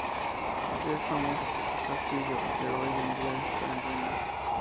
Es famoso por su castillo, que hoy en día está en ruinas.